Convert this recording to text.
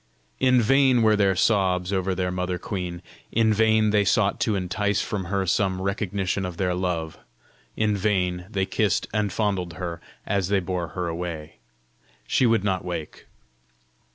In vain were their sobs over their mother queen; in vain they sought to entice from her some recognition of their love; in vain they kissed and fondled her as they bore her away: she would not wake!